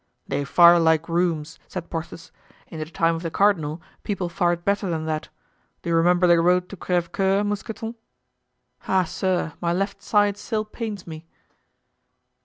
"They fire like grooms," said Porthos. "In the time of the cardinal people fired better than that, do you remember the road to Crevecoeur, Mousqueton?" "Ah, sir! my left side still pains me!"